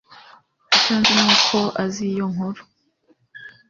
icyo nzi nuko azi iyo nkuru